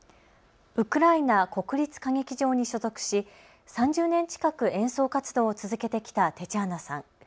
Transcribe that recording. ウクライナ国立歌劇場に所属し３０年近く演奏活動を続けてきたテチャーナさん。